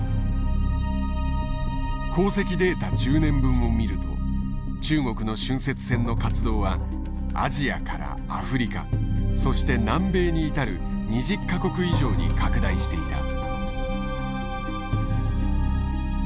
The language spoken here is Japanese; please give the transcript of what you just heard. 航跡データ１０年分を見ると中国の浚渫船の活動はアジアからアフリカそして南米に至る２０か国以上に拡大していた。